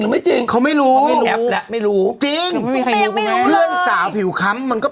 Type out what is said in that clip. ไม่เสียแล้วที่ติดตามให้มดดำมานาน